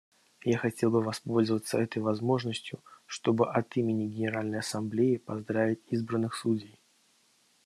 Я хотел бы воспользоваться этой возможностью, чтобы от имени Генеральной Ассамблеи поздравить избранных судей.